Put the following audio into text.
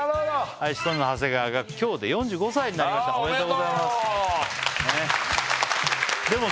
シソンヌ長谷川が今日で４５歳になりましたおめでとうございますおめでとう！